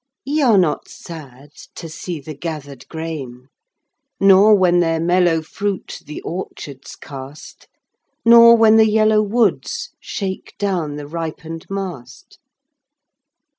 Ye are not sad to see the gathered grain, Nor when their mellow fruit the orchards cast, Nor when the yellow woods shake down the ripened mast.